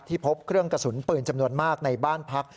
พบเครื่องกระสุนปืนจำนวนมากในบ้านพัก